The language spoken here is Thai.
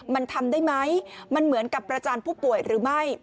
มันทำได้ไหมมันเหมือนกับประจานผู้ป่วยหรือไม่